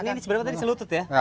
ini sebenarnya tadi selutut ya